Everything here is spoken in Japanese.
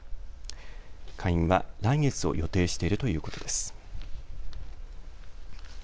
開院は来月を予定しているということです。